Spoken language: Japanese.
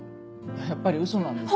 やっぱりウソなんですね。